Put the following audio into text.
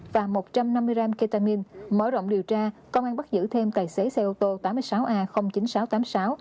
và một trăm năm mươi gram ketamin mở rộng điều tra công an bắt giữ thêm tài xế xe ô tô tám mươi sáu a chín nghìn sáu trăm tám mươi sáu